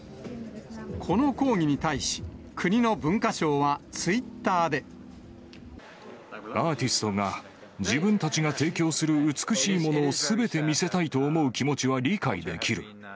この抗議に対し、アーティストが、自分たちが提供する美しいものをすべて見せたいと思う気持ちは理解できる。